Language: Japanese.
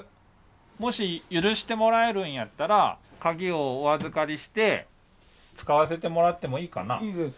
もし許してもらえるんやったら鍵をお預かりして使わせてもらってもいいかな？